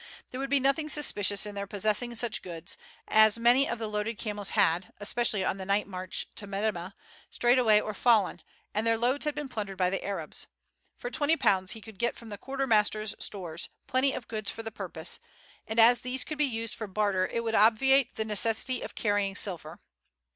There would be nothing suspicious in their possessing such goods, as many of the loaded camels had, especially on the night march to Metemmeh, strayed away or fallen, and their loads had been plundered by the Arabs. For twenty pounds he could get from the quarter master's stores plenty of goods for the purpose, and as these could be used for barter it would obviate the necessity of carrying silver.